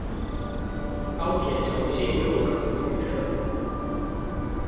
高鐵重信路口東側